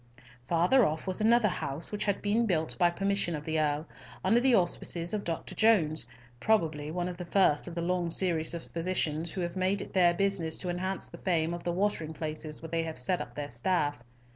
Farther off was another house, which had been built by permission of the Earl, under the auspices of Dr. Jones, probably one of the first of the long series of physicians who have made it their business to enhance the fame of the watering places where they have set up their staff.